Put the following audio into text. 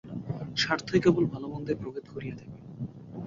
স্বার্থই কেবল ভাল-মন্দের প্রভেদ করিয়া থাকে।